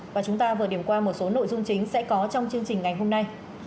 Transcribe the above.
và chúng ta vừa điểm qua một số nội dung chính sẽ có trong chương trình ngày hôm nay